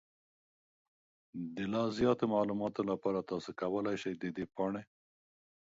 د لا زیاتو معلوماتو لپاره، تاسو کولی شئ د دې پاڼې